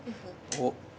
おっ。